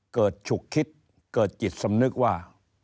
ฉุกคิดเกิดจิตสำนึกว่า